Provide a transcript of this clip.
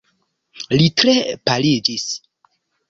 Li tre paliĝis.